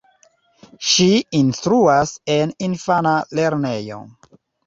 Ŝi instruas en infana lernejo.